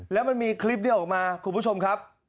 แล้วมันมีคลิปนี้ออกมาคุณผู้ชมครับ